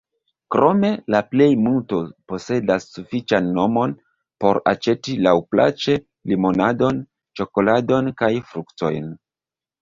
Krome la plej multo posedas sufiĉan monon por aĉeti laŭplaĉe limonadon, ĉokoladon kaj fruktojn.